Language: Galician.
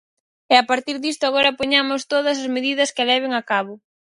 E a partir disto agora poñamos todas as medidas que a leven a cabo.